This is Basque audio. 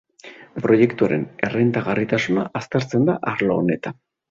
Proiektuaren errentagarritasuna aztertzen da arlo honetan.